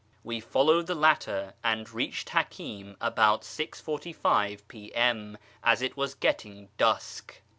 We followed the latter, and reached Hakim about 6.45 p.m. as it was getting dusk.